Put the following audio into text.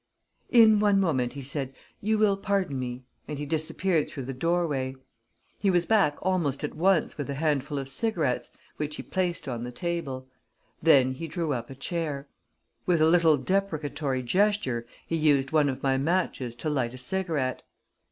"In one moment," he said. "You will pardon me," and he disappeared through the doorway. He was back almost at once with a handful of cigarettes, which he placed on the table. Then he drew up a chair. With a little deprecatory gesture, he used one of my matches to light a cigarette.